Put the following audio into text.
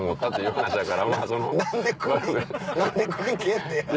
何で首蹴んねん。